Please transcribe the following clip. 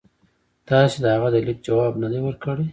تاسي د هغه د لیک جواب نه دی ورکړی.